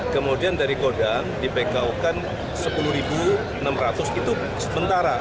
kemudian dari kodam di pku kan sepuluh enam ratus itu sementara